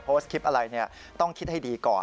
โพสต์คลิปอะไรต้องคิดให้ดีก่อน